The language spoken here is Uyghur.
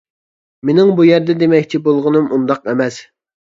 مېنىڭ بۇ يەردە دېمەكچى بولغىنىم ئۇنداق ئەمەس.